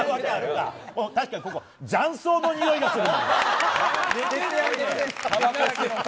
確かにここ雀荘のにおいがする。